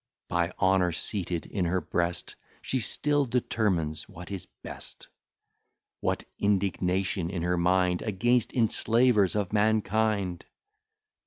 By honour seated in her breast She still determines what is best: What indignation in her mind Against enslavers of mankind!